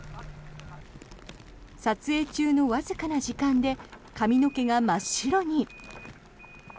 撮影中のわずかな時間で髪の毛が真っ白に。